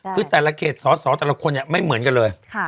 คือแต่ละเขตสอสอแต่ละคนเนี่ยไม่เหมือนกันเลย